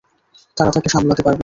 তারা তাকে সামলাতে পারবে।